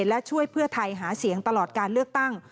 และช่วยเพื่อไทยหาเสียงตลอดการเลือกตั้ง